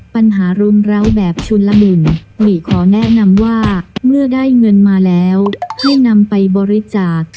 ปัญหารุมร้าวแบบชุนละมุนหมี่ขอแนะนำว่าเมื่อได้เงินมาแล้วให้นำไปบริจาค